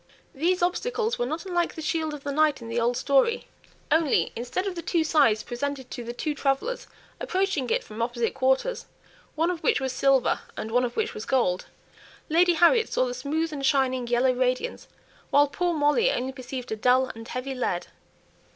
These obstacles were not unlike the shield of the knight in the old story; only instead of the two sides presented to the two travellers approaching it from opposite quarters, one of which was silver, and one of which was gold, Lady Harriet saw the smooth and shining yellow radiance, while poor Molly only perceived a dull and heavy lead.